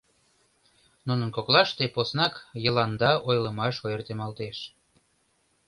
Нунын коклаште поснак «Йыланда» ойлымаш ойыртемалтеш.